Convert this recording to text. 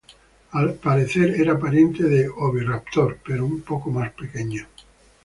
Al parecer, era pariente de "Oviraptor", pero un poco más pequeño.